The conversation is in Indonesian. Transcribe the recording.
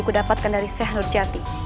kudapatkan dari syekh nurjati